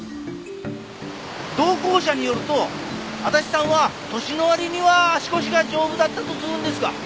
同行者によると足立さんは年の割には足腰が丈夫だったっつうんですが。